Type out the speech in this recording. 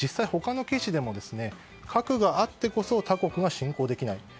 実際に他の記事でも核があってこそ他国が侵攻できない。